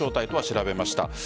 調べました。